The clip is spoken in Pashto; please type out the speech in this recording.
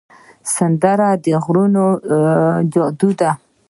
سندره د غږونو جادو ده